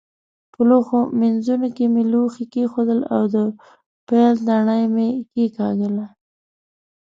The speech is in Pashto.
په لوښ مینځوني کې مې لوښي کېښودل او د پیل تڼۍ مې کېکاږله.